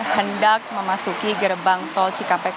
hendak memasuki gerbang tol cikampek